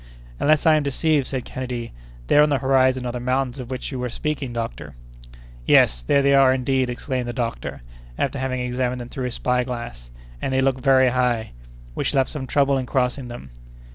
"Unless I am deceived," said Kennedy, "there on the horizon are the mountains of which you were speaking, doctor." "Yes, there they are, indeed!" exclaimed the doctor, after having examined them through his spy glass, "and they look very high. We shall have some trouble in crossing them."